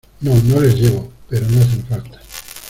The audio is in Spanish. no, no los llevo , pero no hacen falta.